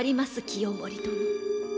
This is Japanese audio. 清盛殿。